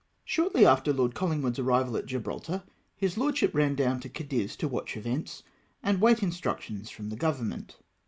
Shortly after Lord Collingwood's arrival at Gibraltar, his lordship ran down to Cadiz, to watch events, and wait instructions fi"om the government.